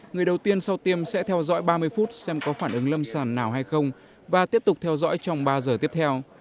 người đầu tiên sau tiêm sẽ theo dõi ba mươi phút xem có phản ứng lâm sàng nào hay không và tiếp tục theo dõi trong ba giờ tiếp theo